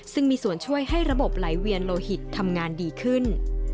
ซึ่งมีส่วนช่วยให้ระบบไหลเวียนโลหิตทำงานดีขึ้น